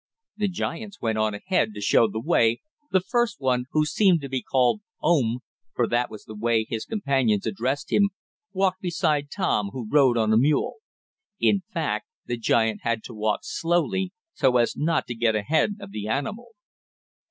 The giants went on ahead, to show the way, the first one, who seemed to be called "Oom," for that was the way his companions addressed him, walked beside Tom, who rode on a mule. In fact the giant had to walk slowly, so as not to get ahead of the animal.